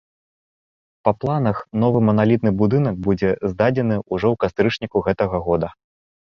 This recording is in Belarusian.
Па планах, новы маналітны будынак будзе здадзены ўжо ў кастрычніку гэтага года.